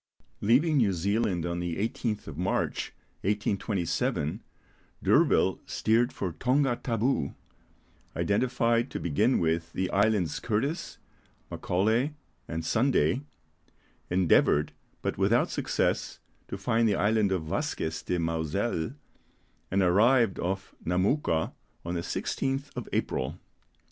Leaving New Zealand on the 18th of March, 1827, D'Urville steered for Tonga Tabou, identified to begin with the islands Curtis, Macaulay, and Sunday; endeavoured, but without success, to find the island of Vasquez de Mauzelle, and arrived off Namouka on the 16th of April.